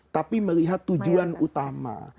tapi melihat tujuan utama